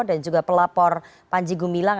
dan juga pelapor panji gumilang